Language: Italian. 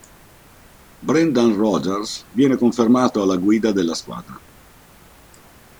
Brendan Rodgers viene confermato alla guida della squadra.